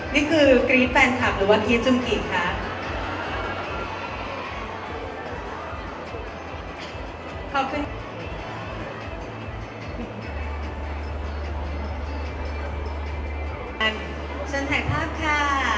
นี่คือกรี๊ดแฟนคลับหรือว่ากรี๊ดจนกี่คะ